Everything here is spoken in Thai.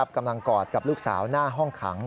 กำลังกอดกับลูกสาวหน้าห้องขัง